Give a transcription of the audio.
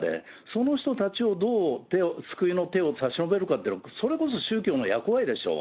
その人たちをどう手を、救いの手を差し伸べるかっていうのが、それこそ宗教の役割でしょ。